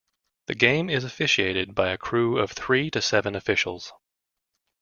The game is officiated by a crew of three to seven officials.